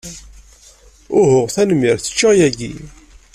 Uhu, tanemmirt. Ččiɣ yagi.